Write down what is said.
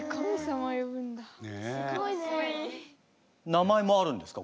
名前もあるんですか？